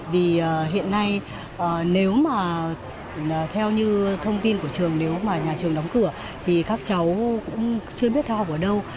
vì hiện nay nếu mà theo như thông tin của trường nếu mà nhà trường đóng cửa thì các cháu cũng chưa biết theo học ở đâu